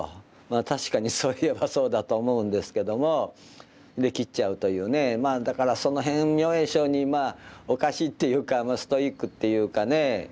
まあ確かにそういえばそうだと思うんですけどもで切っちゃうというねまあだからその辺明恵上人まあおかしいっていうかストイックっていうかね